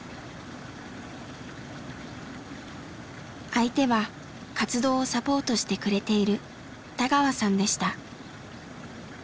相手は活動をサポートしてくれている田川さんでした。